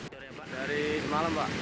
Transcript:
dari semalam pak